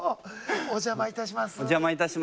お邪魔いたします。